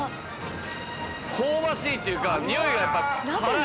香ばしいっていうか匂いがやっぱ辛い。